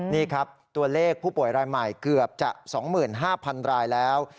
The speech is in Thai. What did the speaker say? นี่ครับตัวเลขผู้ป่วยรายใหม่เกือบจะ๒๕๐๐๐รายแล้ว